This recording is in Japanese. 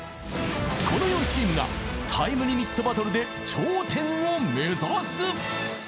［この４チームがタイムリミットバトルで頂点を目指す］